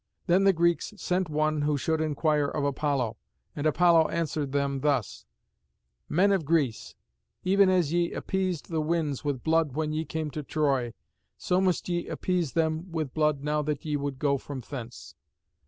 Then the Greeks sent one who should inquire of Apollo; and Apollo answered them thus: 'Men of Greece, even as ye appeased the winds with blood when ye came to Troy, so must ye appease them with blood now that ye would go from thence.'